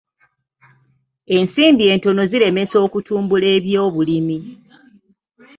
Ensimbi entono ziremesa okutumbula ebyobulimi.